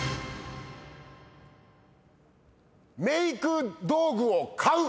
メイク道具を買う！